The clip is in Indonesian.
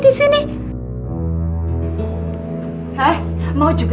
bisa berubah juga